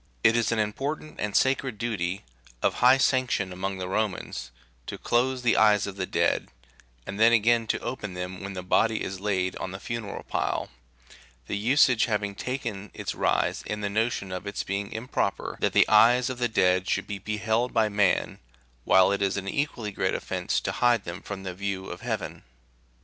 It is an important and sacred duty, of high sanction among the Romans, to close99 the eyes of the dead, and then again to open them when the body is laid on the funeral pile, the usage having taken its rise in the notion of its being improper that the eyes of the dead should be beheld by man, while it is an equally great offence to hide them from the view of heaven.